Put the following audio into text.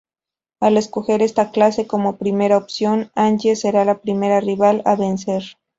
Al escoger esta clase como primera opción, Angie será la primera rival a vencer.